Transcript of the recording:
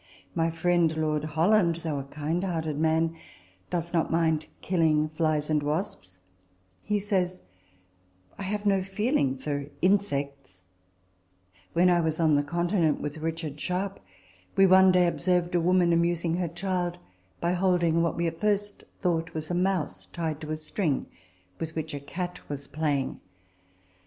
My friend Lord Holland, though a kind hearted man, does not mind killing flies and wasps ; he says, " I have no feeling for insects" When I was on the Continent with Richard Sharp, we one day observed a woman amusing her child by holding what we at first thought was a mouse tied to a string, with which a cat was playing.